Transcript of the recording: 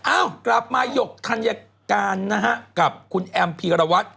อ้าวกลับมาหยกธัญการนะฮะกับคุณแอมพีรวัตร